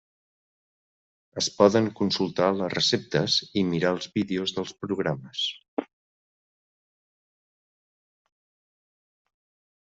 Es poden consultar les receptes i mirar els vídeos dels programes.